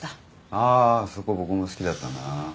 あそこ僕も好きだったな。